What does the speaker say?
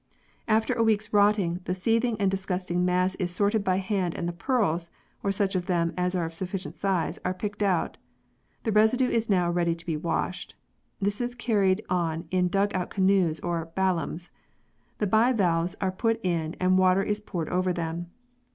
After a week's rotting, the seething and disgusting mass is sorted by hand and the pearls, or such of them as are of sufficient size, are picked out. The residue is now ready to be washed. This is carried on in dug out canoes or "ballams." The bivalves are put in and water is poured over them.